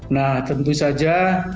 nah tentu saja